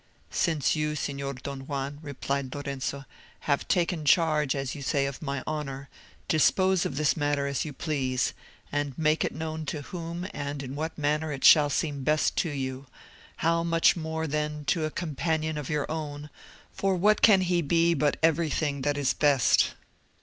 "Since you, Signor Don Juan," replied Lorenzo, "have taken charge, as you say, of my honour, dispose of this matter as you please; and make it known to whom and in what manner it shall seem best to you; how much more, then, to a companion of your own, for what can he be but everything that is best."